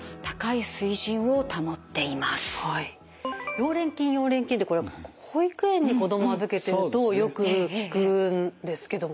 溶連菌溶連菌ってこれ保育園に子ども預けてるとよく聞くんですけどもね